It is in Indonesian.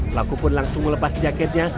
pelaku pun langsung melepas jaketnya